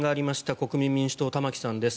国民民主党の玉木さんです。